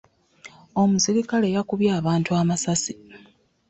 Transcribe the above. Omusirikale yakumbye abantu amasasi.